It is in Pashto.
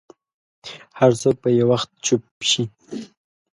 هر څوک به یو وخت چوپ شي.